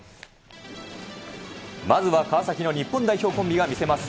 まずは川崎の日本代表コンビが見せます。